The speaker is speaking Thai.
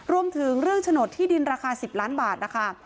รวมถึงเรื่องโฉนดที่ดินราคา๑๐ล้านบาทนะคะ